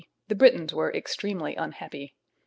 the Britons were extremely unhappy.